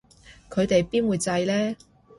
佢哋邊會䎺呢